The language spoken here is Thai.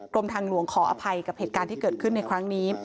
กรมทางหลวงขออภัยกับเหตุการณ์ที่เกิดขึ้นในครั้งนี้